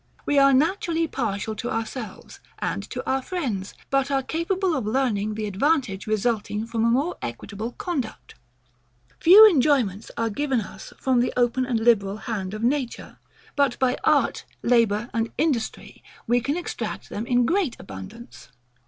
We are naturally partial to ourselves, and to our friends; but are capable of learning the advantage resulting from a more equitable conduct. Few enjoyments are given us from the open and liberal hand of nature; but by art, labour, and industry, we can extract them in great abundance.